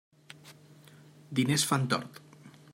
Diners fan tort.